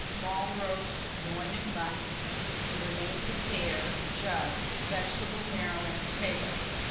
Small roast loin of mutton; the remains of hare, jugged; vegetable marrow and potatoes.